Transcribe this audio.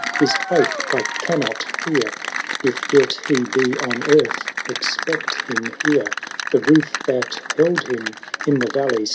his faith I cannot fear. If yet he be on earth, expect him here; The roof that held him in the valley